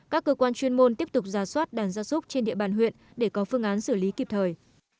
các cơ quan chuyên môn tiếp tục giả soát đàn gia súc trên địa bàn huyện để có phương án xử lý kịp thời